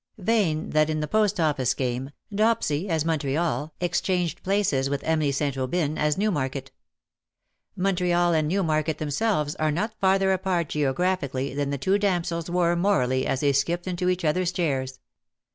Vain that in the Post Office game, Dopsy as Montreal exchanged places with Emily St. Aubyn as Newmarket. Montreal and New market themselves are not farther apart geographi cally than the two damsels were morally as they 199 skipped into each other's chairs.